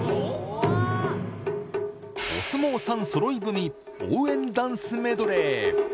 お相撲さんそろいぶみ応援ダンスメドレー。